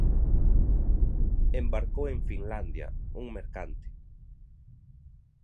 Embarcou en Finlandia, un mercante.